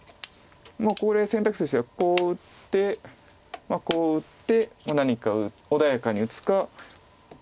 これ選択肢としてはこう打ってこう打って何か穏やかに打つか。